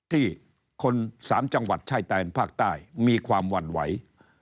ที่คนสามจังหวัดชายแตนภาคใต้มีความหวั่นไหว